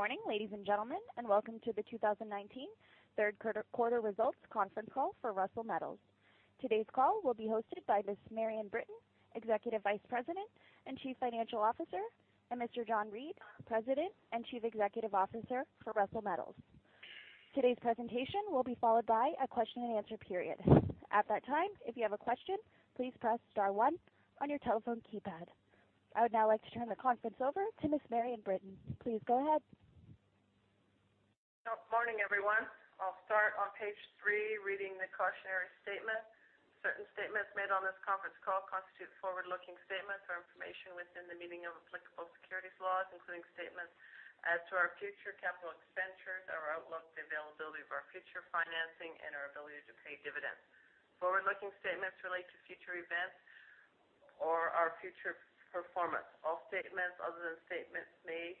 Good morning, ladies and gentlemen, and welcome to the 2019 third quarter results conference call for Russel Metals. Today's call will be hosted by Ms. Marion Britton, Executive Vice President and Chief Financial Officer, and Mr. John Reid, President and Chief Executive Officer for Russel Metals. Today's presentation will be followed by a question and answer period. At that time, if you have a question, please press star one on your telephone keypad. I would now like to turn the conference over to Ms. Marion Britton. Please go ahead. Morning, everyone. I'll start on page three reading the cautionary statement. Certain statements made on this conference call constitute forward-looking statements or information within the meaning of applicable securities laws, including statements as to our future capital expenditures, our outlook, the availability of our future financing, and our ability to pay dividends. Forward-looking statements relate to future events or our future performance. All statements other than statements made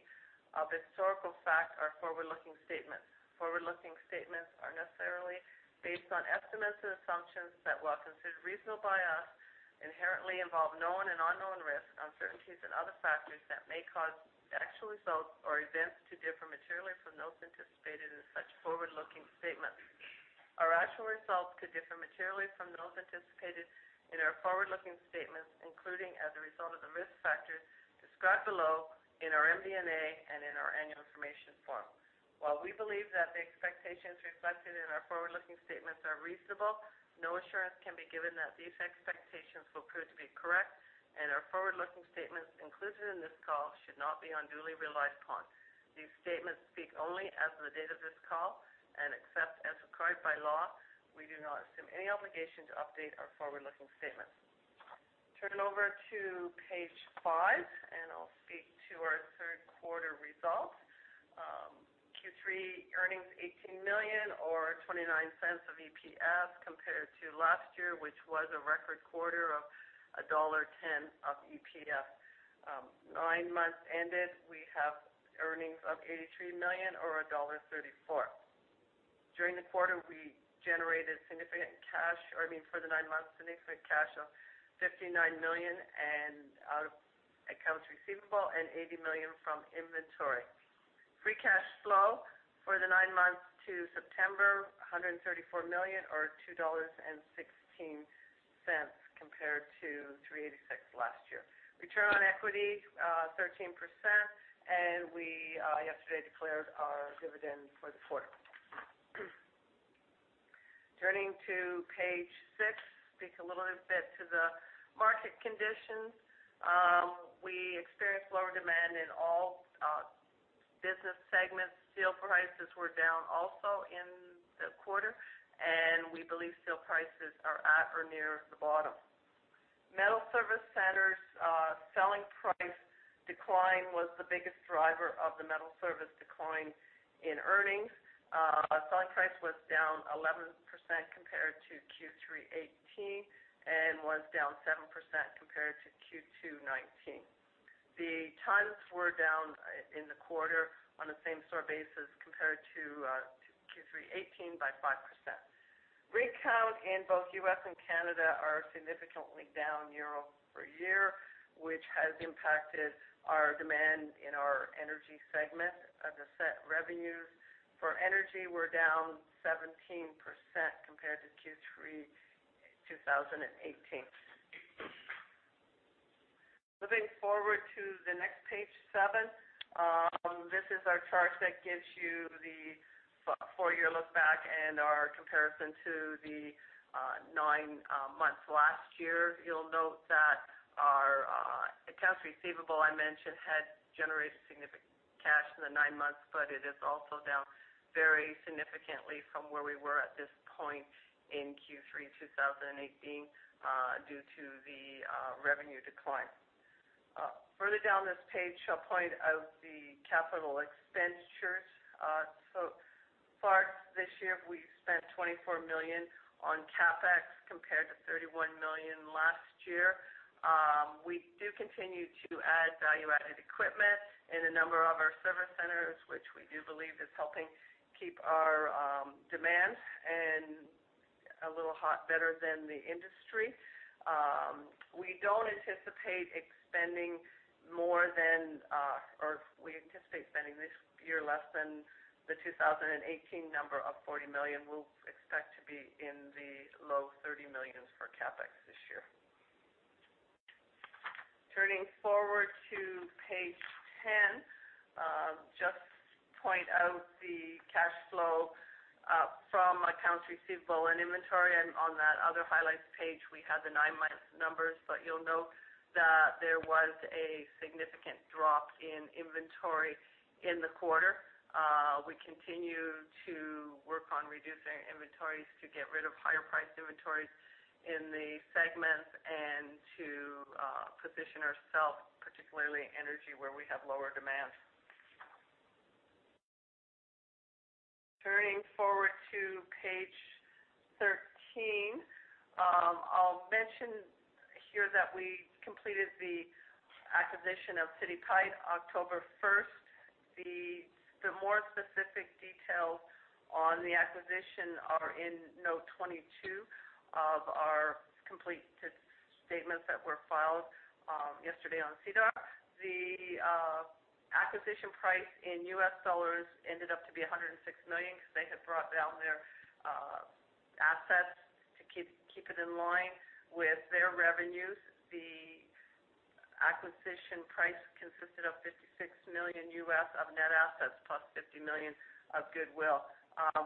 of historical fact are forward-looking statements. Forward-looking statements are necessarily based on estimates and assumptions that, while considered reasonable by us, inherently involve known and unknown risks, uncertainties and other factors that may cause actual results or events to differ materially from those anticipated in such forward-looking statements. Our actual results could differ materially from those anticipated in our forward-looking statements, including as a result of the risk factors described below in our MD&A and in our annual information form. While we believe that the expectations reflected in our forward-looking statements are reasonable, no assurance can be given that these expectations will prove to be correct, and our forward-looking statements included in this call should not be unduly relied upon. These statements speak only as of the date of this call, and except as required by law, we do not assume any obligation to update our forward-looking statements. Turning over to page five, and I'll speak to our third quarter results. Q3 earnings, 18 million or 0.29 of EPS, compared to last year, which was a record quarter of dollar 1.10 of EPS. Nine months ended, we have earnings of 83 million or dollar 1.34. During the quarter, we generated significant cash, or I mean, for the nine months, significant cash of 59 million and out of accounts receivable and 80 million from inventory. Free cash flow for the nine months to September, 134 million or 2.16 dollars compared to 386 last year. Return on equity, 13%, and we, yesterday, declared our dividend for the quarter. Turning to page six, speak a little bit to the market conditions. We experienced lower demand in all business segments. Steel prices were down also in the quarter, and we believe steel prices are at or near the bottom. Metal service centers selling price decline was the biggest driver of the metal service decline in earnings. Selling price was down 11% compared to Q3 '18 and was down 7% compared to Q2 '19. The tons were down in the quarter on a same store basis compared to Q3 '18 by 5%. Rig count in both U.S. and Canada are significantly down year-over-year, which has impacted our demand in our energy segment of the set revenues. For energy, we're down 17% compared to Q3 2018. Moving forward to the next page, seven. This is our chart that gives you the four-year look back and our comparison to the nine months last year. You'll note that our accounts receivable, I mentioned, had generated significant cash in the nine months, it is also down very significantly from where we were at this point in Q3 2018, due to the revenue decline. Further down this page, I'll point out the capital expenditures. So far this year, we've spent 24 million on CapEx compared to 31 million last year. We do continue to add value-added equipment in a number of our service centers, which we do believe is helping keep our demand and a little better than the industry. We anticipate spending this year less than the 2018 number of 40 million. We'll expect to be in the low 30 million for CapEx this year. Turning forward to page 10, just point out the cash flow from accounts receivable and inventory. On that other highlights page, we have the nine-month numbers. You'll note that there was a significant drop in inventory in the quarter. We continue to work on reducing inventories to get rid of higher priced inventories in the segments and to position ourself, particularly in energy, where we have lower demand. Turning forward to page 13. I'll mention here that we completed the acquisition of City Pipe October 1st. The more specific details on the acquisition are in note 22 of our complete statements that were filed yesterday on SEDAR. The acquisition price in U.S. dollars ended up to be $106 million because they had brought down their assets to keep it in line with their revenues. The acquisition price consisted of $56 million U.S. of net assets, plus 50 million of goodwill.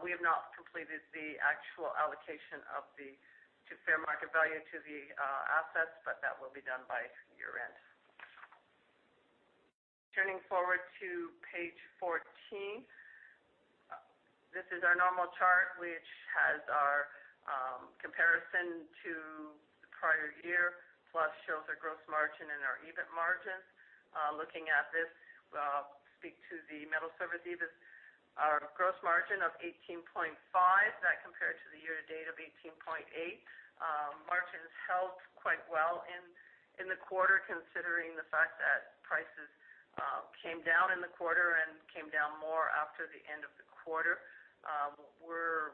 We have not completed the actual allocation to fair market value to the assets, but that will be done by year-end. Turning forward to page 14. This is our normal chart, which has our comparison to the prior year, plus shows our gross margin and our EBIT margin. Looking at this, I'll speak to the metal service EBIT. Our gross margin of 18.5%, that compared to the year-to-date of 18.8%. Margins held quite well in the quarter considering the fact that prices came down in the quarter and came down more after the end of the quarter. We're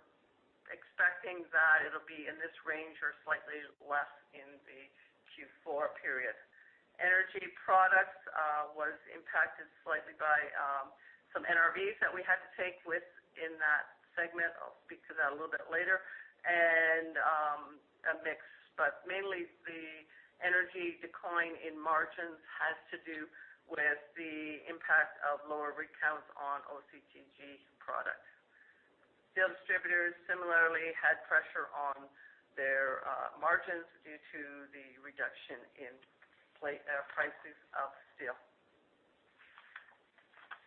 expecting that it'll be in this range or slightly less in the Q4 period. Energy products was impacted slightly by some NRVs that we had to take within that segment. I'll speak to that a little bit later. A mix, but mainly the energy decline in margins has to do with the impact of lower rig counts on OCTG products. Steel distributors similarly had pressure on their margins due to the reduction in prices of steel.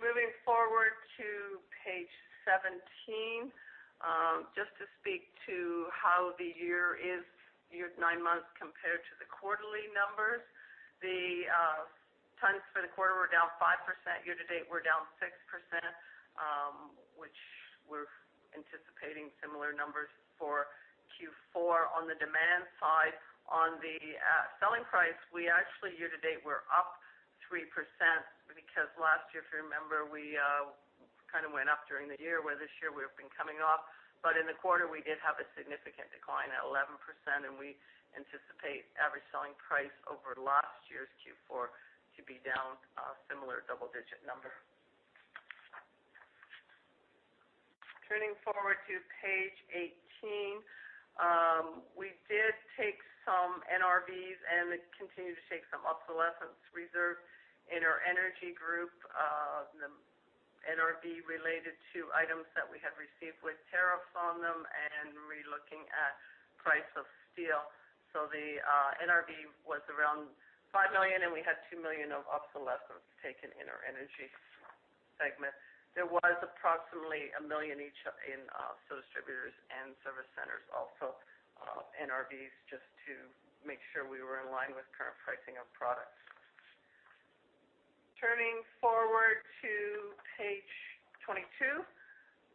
Moving forward to page 17. Just to speak to how the year-to-date nine months compare to the quarterly numbers. The tons for the quarter were down 5%, year-to-date we're down 6%, which we're anticipating similar numbers for Q4 on the demand side. On the selling price, we actually, year-to-date, were up 3% because last year, if you remember, we kind of went up during the year, where this year we have been coming up. In the quarter we did have a significant decline at 11%, and we anticipate average selling price over last year's Q4 to be down a similar double-digit number. Turning forward to page 18. We did take some NRVs and continued to take some obsolescence reserve in our energy group, the NRV related to items that we had received with tariffs on them and re-looking at price of steel. The NRV was around 5 million, and we had 2 million of obsolescence taken in our energy segment. There was approximately 1 million each in steel distributors and service centers, also NRVs, just to make sure we were in line with current pricing of products. Turning forward to page 22.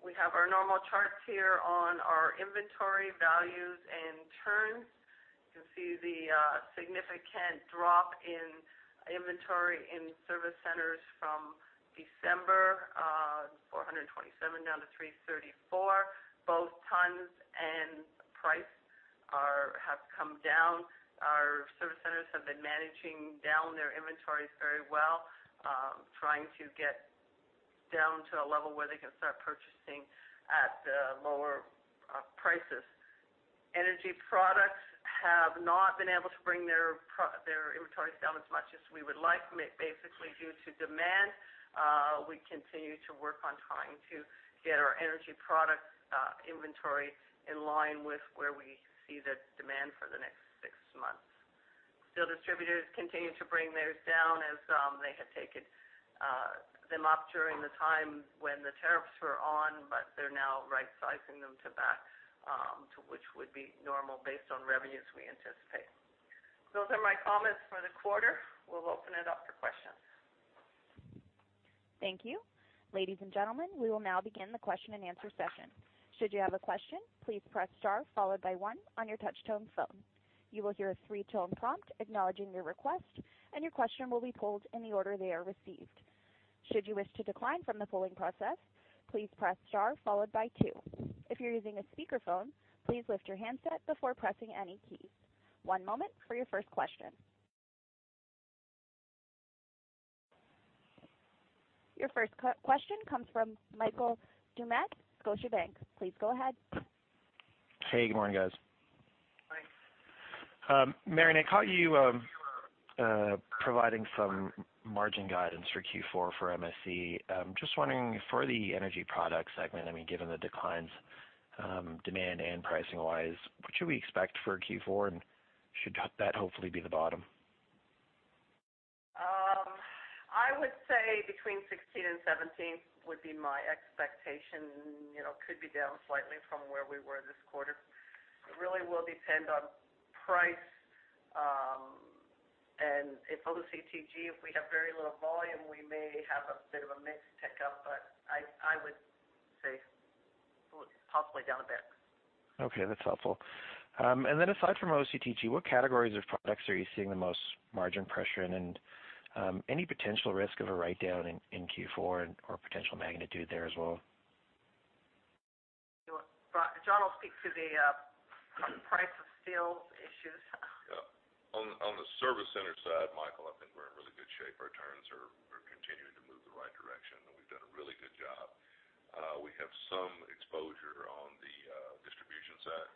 We have our normal charts here on our inventory values and turns. You can see the significant drop in inventory in service centers from December, 427 down to 334. Both tons and price have come down. Our service centers have been managing down their inventories very well, trying to get down to a level where they can start purchasing at lower prices. Energy products have not been able to bring their inventories down as much as we would like, basically due to demand. We continue to work on trying to get our energy product inventory in line with where we see the demand for the next six months. Steel distributors continue to bring theirs down as they had taken them up during the time when the tariffs were on, they're now right-sizing them to back to which would be normal based on revenues we anticipate. Those are my comments for the quarter. We'll open it up for questions. Thank you. Ladies and gentlemen, we will now begin the question-and-answer session. Should you have a question, please press star followed by one on your touch-tone phone. You will hear a three-tone prompt acknowledging your request, and your question will be pulled in the order they are received. Should you wish to decline from the polling process, please press star followed by two. If you're using a speakerphone, please lift your handset before pressing any keys. One moment for your first question. Your first question comes from Michael Doumet, Scotiabank. Please go ahead. Hey, good morning, guys. Hi. Marion, I caught you providing some margin guidance for Q4 for MSC. Just wondering for the energy product segment, given the declines, demand and pricing-wise, what should we expect for Q4, and should that hopefully be the bottom? I would say between 16 and 17 would be my expectation. Could be down slightly from where we were this quarter. It really will depend on price, and if OCTG, if we have very little volume, we may have a bit of a mix tick-up, but I would say possibly down a bit. Okay, that's helpful. Aside from OCTG, what categories of products are you seeing the most margin pressure in, and any potential risk of a write-down in Q4 or potential magnitude there as well? John will speak to the price of steel issues. On the service center side, Michael, I think we're in really good shape. Our turns are continuing to move the right direction, and we've done a really good job. We have some exposure on the distribution side,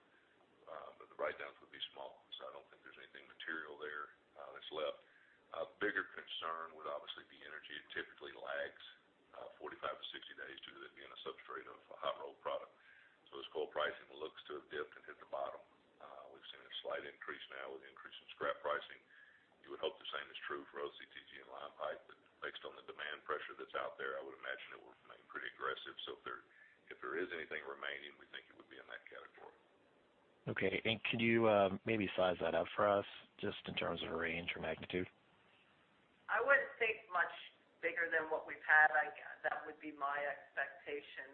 but the write-downs would be small, so I don't think there's anything material there that's left. A bigger concern would obviously be energy. It typically lags 45-60 days due to it being a substrate of a hot-rolled product. As coil pricing looks to have dipped and hit the bottom, we've seen a slight increase now with the increase in scrap pricing. You would hope the same is true for OCTG and line pipe, but based on the demand pressure that's out there, I would imagine it will remain pretty aggressive. If there is anything remaining, we think it would be in that category. Okay. Could you maybe size that up for us just in terms of range or magnitude? I wouldn't think much bigger than what we've had. That would be my expectation.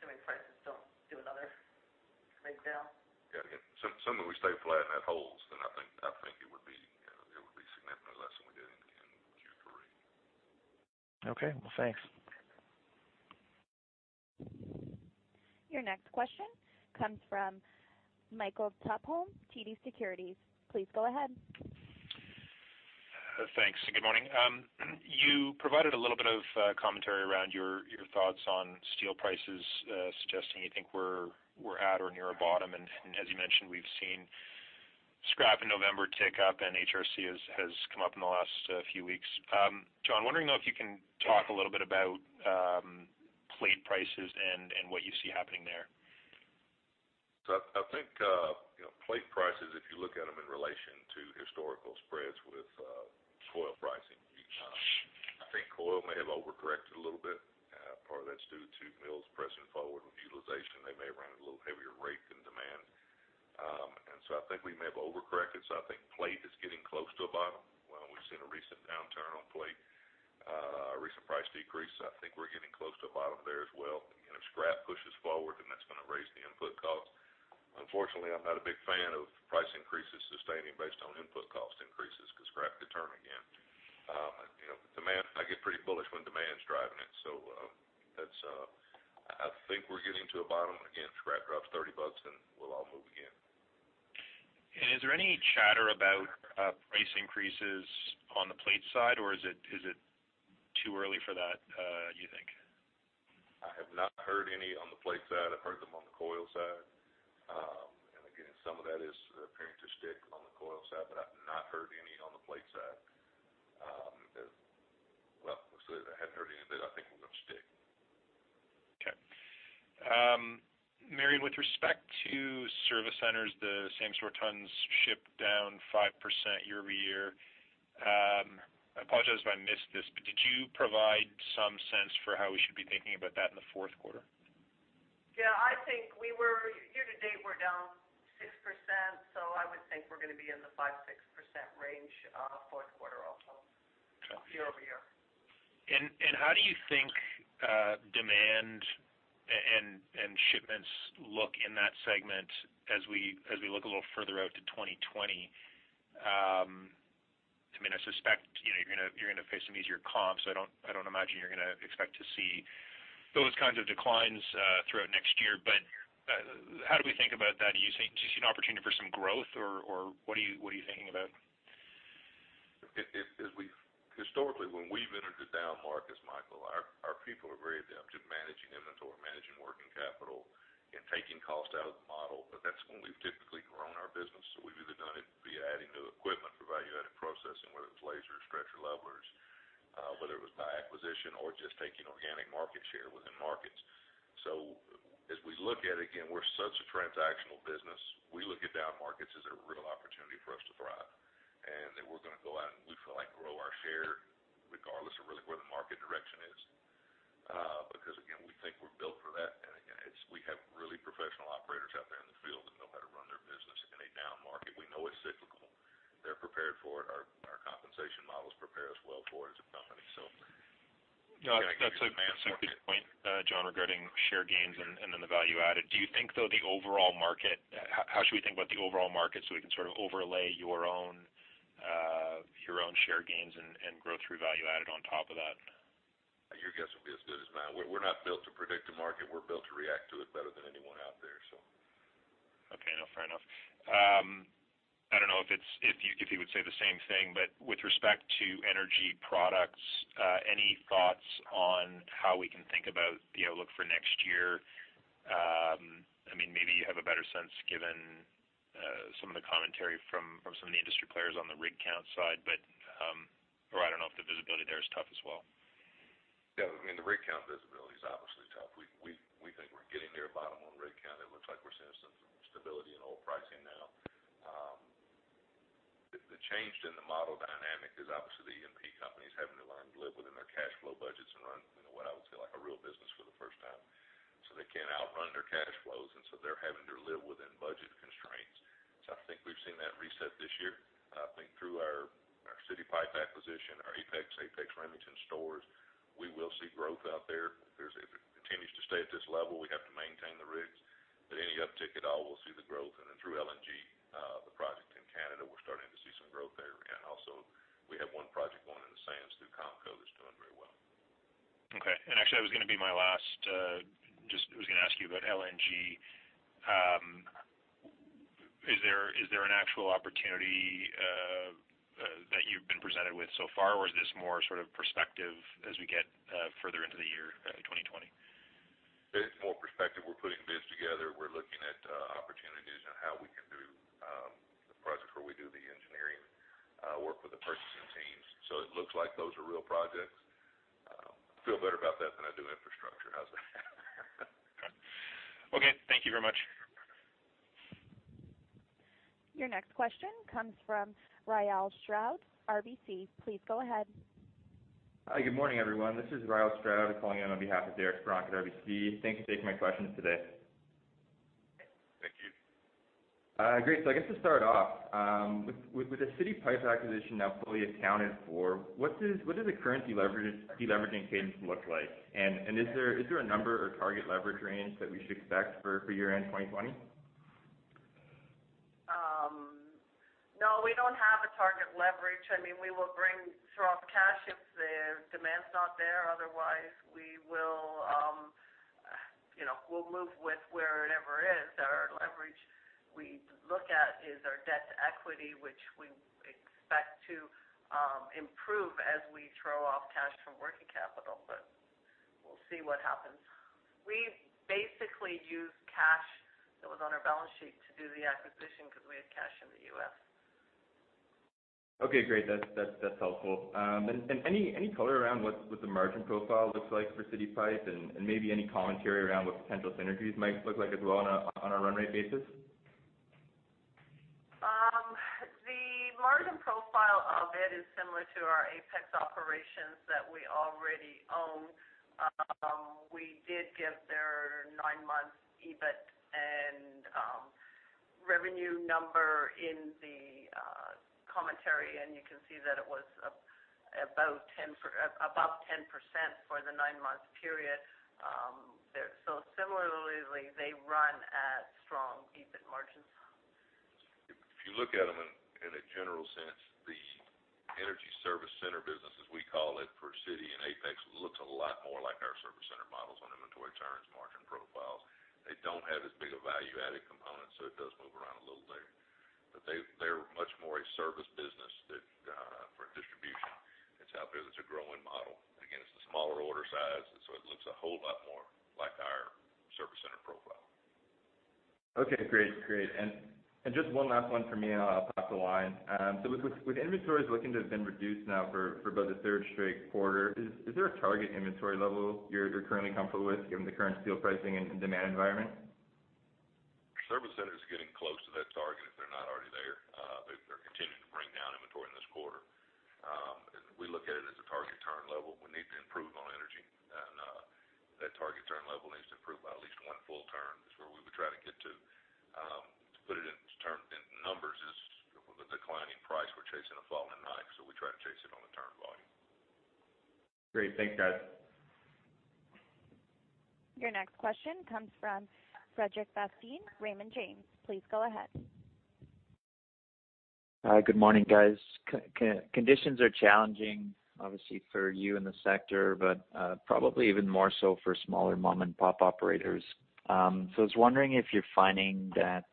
Assuming prices don't do another write down. Yeah. Again, assuming we stay flat and that holds, I think it would be significantly less than we did in Q3. Okay. Well, thanks. Your next question comes from Michael Tupholme, TD Securities. Please go ahead. Thanks. Good morning. You provided a little bit of commentary around your thoughts on steel prices, suggesting you think we're at or near a bottom. As you mentioned, we've seen scrap in November tick up, and HRC has come up in the last few weeks. John, wondering though if you can talk a little bit about plate prices and what you see happening there? I think plate prices, if you look at them in relation to historical spreads with coil pricing, I think coil may have overcorrected a little bit. Part of that's due to mills pressing forward with utilization. They may run at a little heavier rate than demand. I think we may have overcorrected. I think plate is getting close to a bottom. We've seen a recent downturn on plate, a recent price decrease. I think we're getting close to a bottom there as well. If scrap pushes forward, then that's going to raise the input cost. Unfortunately, I'm not a big fan of price increases sustaining based on input cost increases because scrap could turn again. I get pretty bullish when demand's driving it. I think we're getting to a bottom. Again, if scrap drops 30 bucks, then we'll all move again. Is there any chatter about price increases on the plate side, or is it too early for that, you think? I have not heard any on the plate side. I've heard them on the coil side. Again, some of that is appearing to stick on the coil side, but I've not heard any on the plate side. Well, I'll say I haven't heard any that I think are going to stick. Okay. Marion, with respect to service centers, the same-store tons shipped down 5% year-over-year. I apologize if I missed this, but did you provide some sense for how we should be thinking about that in the fourth quarter? Yeah, I think year to date, we're down 6%. I would think we're going to be in the 5%-6% range fourth quarter also year-over-year. How do you think demand and shipments look in that segment as we look a little further out to 2020? I suspect you're going to face some easier comps. I don't imagine you're going to expect to see those kinds of declines throughout next year, but how do we think about that? Do you see an opportunity for some growth, or what are you thinking about? Historically, when we've entered a down market, Michael, our people are very adept at managing inventory, managing working capital, and taking cost out of the model. That's when we've typically grown our business. We've either done it via adding new equipment, providing value-added processing, whether it was laser or stretcher levelers, whether it was by acquisition or just taking organic market share within markets. As we look at it, again, we're such a transactional business. We look at down markets as a real opportunity for us to thrive. Then we're going to go out and we feel like grow our share regardless of really where the market direction is. Again, we think we're built for that. Again, we have really professional operators out there in the field that know how to run their business in a down market. We know it's cyclical. They're prepared for it. Our compensation models prepare us well for it as a company. That's a massive good point, John, regarding share gains and then the value added. Do you think, though, the overall market, how should we think about the overall market so we can sort of overlay your own share gains and growth through value added on top of that? Your guess will be as good as mine. We're not built to predict the market. We're built to react to it better than anyone out there. Okay, no, fair enough. I don't know if you would say the same thing, but with respect to energy products any thoughts on how we can think about the outlook for next year? Maybe you have a better sense given some of the commentary from some of the industry players on the rig count side. I don't know if the visibility there is tough as well. Yeah, the rig count visibility is obviously tough. We think we're getting near a bottom on rig count. It looks like we're seeing some stability in oil pricing now. The change in the model dynamic is obviously the E&P companies having to learn to live within their cash flow budgets and run what I would say like a real business for the first time. They can't outrun their cash flows, they're having to live within budget constraints. I think we've seen that reset this year. I think through our City Pipe acquisition, our Apex Remington stores, we will see growth out there. If it continues to stay at this level, we have to maintain the rigs. Any uptick at all, we'll see the growth. Through LNG is doing very well. Okay. Actually, that was going to be my last. I was going to ask you about LNG. Is there an actual opportunity that you've been presented with so far, or is this more sort of perspective as we get further into the year 2020? It's more perspective. We're putting bids together. We're looking at opportunities on how we can do the projects where we do the engineering work with the purchasing teams. It looks like those are real projects. I feel better about that than I do infrastructure. How's that? Okay. Thank you very much. Your next question comes from Ryal Stroud, RBC. Please go ahead. Hi. Good morning, everyone. This is Ryal Stroud calling in on behalf of Derek Bronk at RBC. Thank you for taking my questions today. Thank you. Great. I guess to start off, with the City Pipe acquisition now fully accounted for, what does the current de-leveraging cadence look like? Is there a number or target leverage range that we should expect for year-end 2020? No, we don't have a target leverage. We will bring off cash if the demand's not there. We'll move with where it ever is. Our leverage we look at is our debt to equity, which we expect to improve as we throw off cash from working capital. We'll see what happens. We basically used cash that was on our balance sheet to do the acquisition because we had cash in the U.S. Okay, great. That's helpful. Any color around what the margin profile looks like for City Pipe and maybe any commentary around what potential synergies might look like as well on a run rate basis? The margin profile of it is similar to our Apex operations that we already own. We did give their nine-month EBIT and revenue number in the commentary, you can see that it was above 10% for the nine-month period. Similarly, they run at strong EBIT margins. If you look at them in a general sense, the energy service center business, as we call it, for City and Apex, looks a lot more like our service center models on inventory turns, margin profiles. They don't have as big a value-added component, so it does move around a little there. They're much more a service business for distribution that's out there that's a growing model. Again, it's the smaller order size, and so it looks a whole lot more like our service center profile. Okay, great. Just one last one from me and I'll pass the line. With inventories looking to have been reduced now for about the third straight quarter, is there a target inventory level you're currently comfortable with given the current steel pricing and demand environment? Service center's getting close to that target, if they're not already there. They're continuing to bring down inventory in this quarter. We look at it as a target turn level. We need to improve on energy. That target turn level needs to improve by at least one full turn is where we would try to get to. To put it into numbers is with a declining price, we're chasing a falling knife, we try to chase it on the turn volume. Great. Thanks, guys. Your next question comes from Frederic Bastien, Raymond James. Please go ahead. Good morning, guys. Conditions are challenging, obviously for you in the sector, but probably even more so for smaller mom-and-pop operators. I was wondering if you're finding that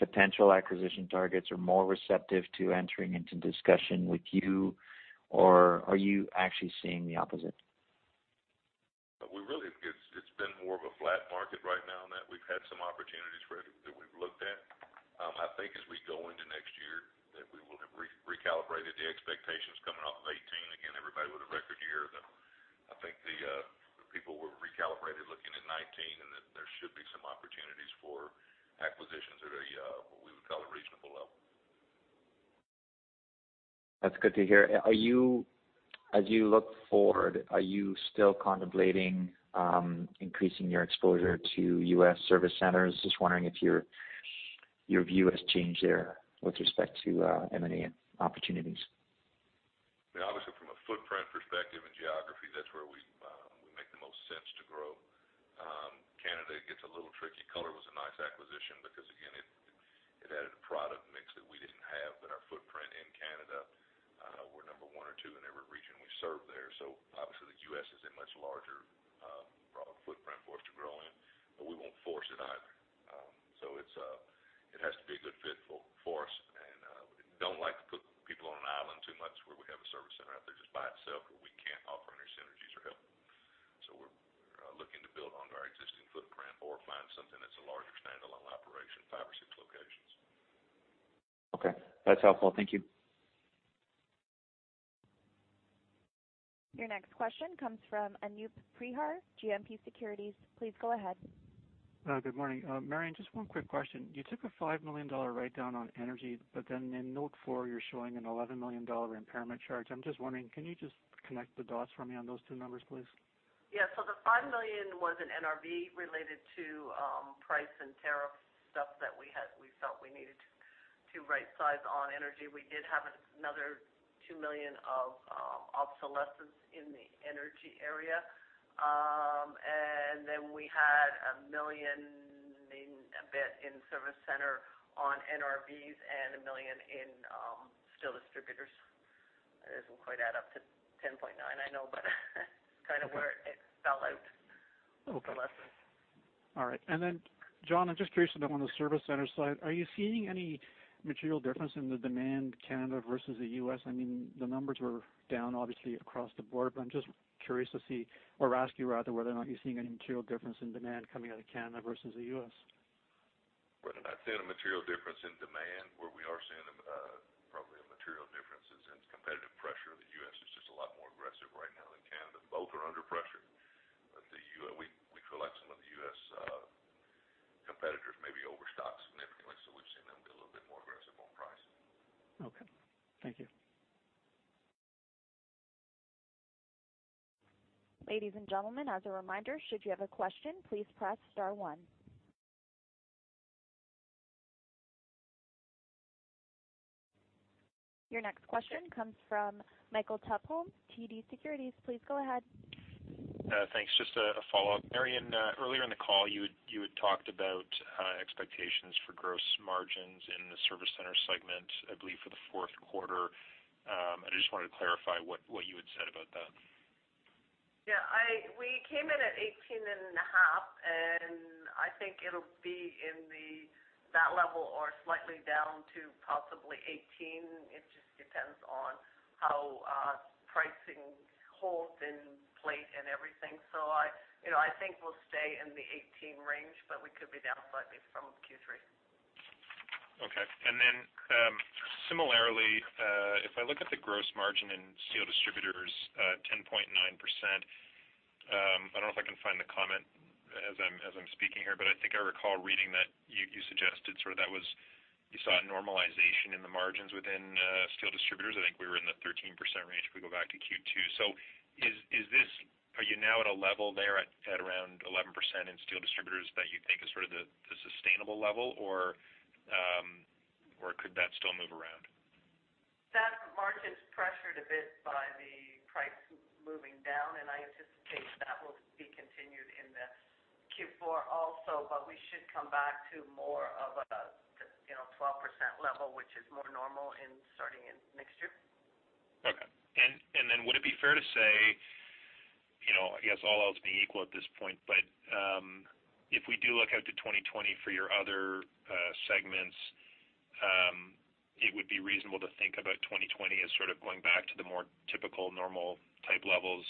potential acquisition targets are more receptive to entering into discussion with you, or are you actually seeing the opposite? It's been more of a flat market right now in that we've had some opportunities, Frederic, that we've looked at. I think as we go into next year, that we will have recalibrated the expectations coming off of 2018. Again, everybody with a record year. I think the people were recalibrated looking at 2019, and that there should be some opportunities for acquisitions at what we would call a reasonable level. That's good to hear. As you look forward, are you still contemplating increasing your exposure to U.S. service centers? Just wondering if your view has changed there with respect to M&A opportunities. Obviously, from a footprint perspective and geography, that's where we make the most sense to grow. Canada gets a little tricky. Color was a nice acquisition because, again, it added a product mix that we didn't have in our footprint in Canada. We're number 1 or 2 in every region we serve there. Obviously, the U.S. is a much larger broad footprint for us to grow in, but we won't force it either. It has to be a good fit for us. We don't like to put people on an island too much where we have a service center out there just by itself where we can't offer any synergies or help. We're looking to build on our existing footprint or find something that's a larger standalone operation, five or six locations. Okay. That's helpful. Thank you. Your next question comes from Anup Prehar, GMP Securities. Please go ahead. Good morning. Marion, just one quick question. You took a 5 million dollar write-down on energy. In note four, you're showing a 11 million dollar impairment charge. I'm just wondering, can you just connect the dots for me on those two numbers, please? The 5 million was an NRV related to price and tariff stuff that we felt we needed to right size on energy. We did have another 2 million of obsolescence in the energy area. We had a millionA bit in service center on NRVs and 1 million in steel distributors. That doesn't quite add up to 10.9, I know, but kind of where it fell out. Okay. Or less. All right. John, I'm just curious about on the service center side, are you seeing any material difference in the demand Canada versus the U.S.? The numbers were down, obviously, across the board, I'm just curious to see or ask you, rather, whether or not you're seeing any material difference in demand coming out of Canada versus the U.S. We're not seeing a material difference in demand. Where we are seeing probably a material difference is in competitive pressure. The U.S. is just a lot more aggressive right now than Canada. Both are under pressure. We feel like some of the U.S. competitors may be overstocked significantly. We've seen them be a little bit more aggressive on price. Okay. Thank you. Ladies and gentlemen, as a reminder, should you have a question, please press star one. Your next question comes from Michael Tupholme, TD Securities. Please go ahead. Thanks. Just a follow-up. Marion, earlier in the call, you had talked about expectations for gross margins in the service center segment, I believe, for the fourth quarter. I just wanted to clarify what you had said about that. Yeah. We came in at 18.5. I think it'll be in that level or slightly down to possibly 18. It just depends on how pricing holds in plate and everything. I think we'll stay in the 18 range, but we could be down slightly from Q3. Okay. Similarly, if I look at the gross margin in steel distributors, 10.9%. I don't know if I can find the comment as I'm speaking here, but I think I recall reading that you suggested you saw a normalization in the margins within steel distributors. I think we were in the 13% range if we go back to Q2. Are you now at a level there at around 11% in steel distributors that you think is the sustainable level, or could that still move around? That margin's pressured a bit by the price moving down, and I anticipate that will be continued in the Q4 also. We should come back to more of a 12% level, which is more normal, starting in next year. Okay. Would it be fair to say, I guess all else being equal at this point, but if we do look out to 2020 for your other segments, it would be reasonable to think about 2020 as sort of going back to the more typical normal type levels,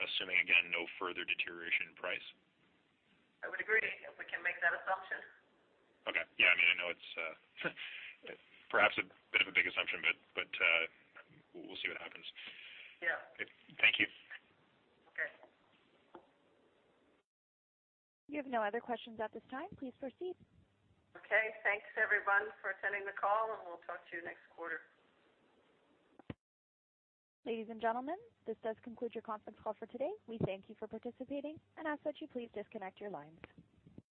assuming, again, no further deterioration in price? I would agree, if we can make that assumption. Okay. Yeah, I know it's perhaps a bit of a big assumption, but we'll see what happens. Yeah. Thank you. Okay. You have no other questions at this time. Please proceed. Okay. Thanks everyone for attending the call, and we'll talk to you next quarter. Ladies and gentlemen, this does conclude your conference call for today. We thank you for participating and ask that you please disconnect your lines.